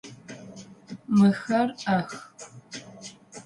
Мыхэр ӏэх.